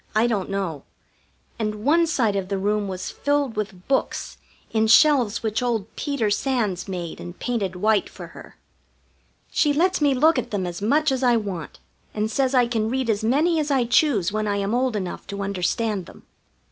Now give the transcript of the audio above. I don't know. And one side of the room was filled with books in shelves which old Peter Sands made and painted white for her. She lets me look at them as much as I want, and says I can read as many as I choose when I am old enough to understand them.